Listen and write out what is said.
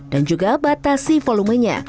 dan juga batasi volumenya